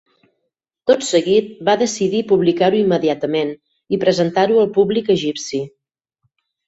Tot seguit, va decidir publicar-ho immediatament i presentar-ho al públic egipci.